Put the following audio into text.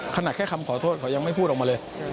ขนาดแค่คำขอโทษเขายังไม่พูดออกมาเลย